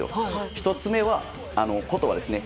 １つ目は、言葉ですね。